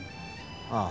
ああ。